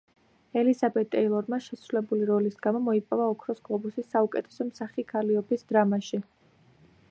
ელიზაბეთ ტეილორმა შესრულებული როლის გამო მოიპოვა ოქროს გლობუსი საუკეთესო მსახიობი ქალისთვის დრამაში.